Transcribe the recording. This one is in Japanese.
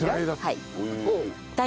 はい。